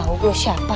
gak tau gue siapa